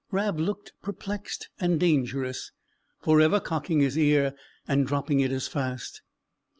Rab looked perplexed and dangerous; forever cocking his ear and dropping it as fast.